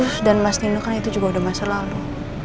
terus dan mas dino kan itu juga udah masa lalu